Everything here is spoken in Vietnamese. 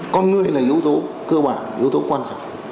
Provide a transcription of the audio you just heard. con người là yếu tố cơ bản yếu tố quan trọng